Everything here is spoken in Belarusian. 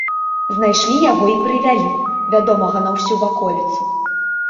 Знайшлі яго і прывялі, вядомага на ўсю ваколіцу.